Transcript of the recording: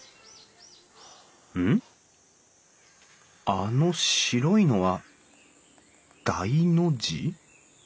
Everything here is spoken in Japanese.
あの白いのは大の字？